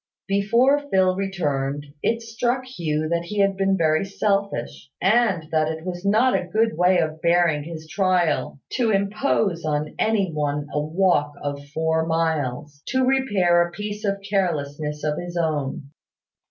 Before Phil returned, it struck Hugh that he had been very selfish; and that it was not a good way of bearing his trial to impose on any one a walk of four miles, to repair a piece of carelessness of his own.